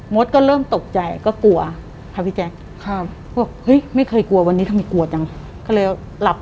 มดก็เริ่มตกใจก็กลัวค่ะพี่แจ๊ค